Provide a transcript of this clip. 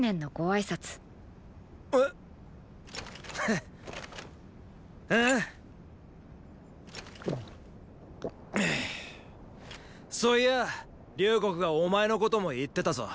フーそう言や隆国がお前のことも言ってたぞ。